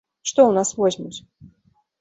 Што ў нас возьмуць?